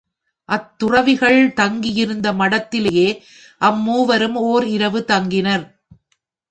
அத்துறவிகள் தங்கியிருந்த மடத்திலேயே அம்மூவரும் ஒர் இரவு தங்கினர்.